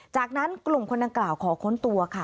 จากนั้นกลุ่มคนดังกล่าวขอค้นตัวค่ะ